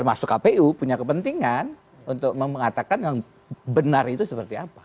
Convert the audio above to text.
semua orang lain termasuk kpu punya kepentingan untuk mengatakan yang benar itu seperti apa